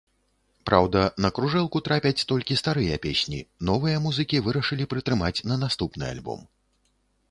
Праўда, на кружэлку трапяць толькі старыя песні, новыя музыкі вырашылі прытрымаць на наступны альбом.